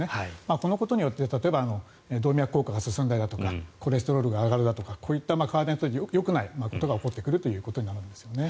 このことによって例えば動脈硬化が進んだりとかコレステロールが上がるだとかこういった体にとってよくないことが起こってくるということですね。